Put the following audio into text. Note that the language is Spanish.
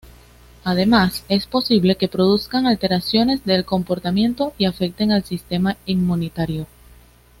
Además, es posible que produzcan alteraciones del comportamiento y afecten al sistema inmunitario.